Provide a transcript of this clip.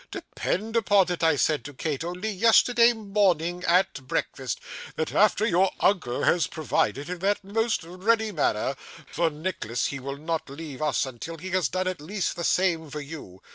"Depend upon it," I said to Kate, only yesterday morning at breakfast, "that after your uncle has provided, in that most ready manner, for Nicholas, he will not leave us until he has done at least the same for you."